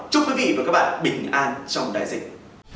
chúc quý vị và các bạn bình an trong đại dịch